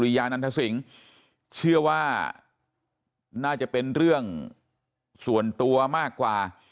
ยานันทสิงศ์เชื่อว่าน่าจะเป็นเรื่องส่วนตัวมากกว่า